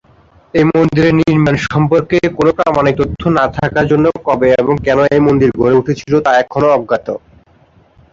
এই মন্দিরের নির্মাণ সম্পর্কে কোনো প্রামাণিক তথ্য না থাকার জন্য কবে এবং কেন এই মন্দির গড়ে উঠেছিল তা এখনো অজ্ঞাত।